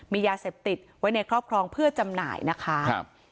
มียาเสพติดไว้ในครอบครองเพื่อจำหน่ายนะคะ